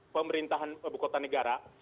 pemerintahan ibu kota negara